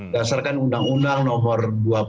dasarkan undang undang nomor dua puluh satu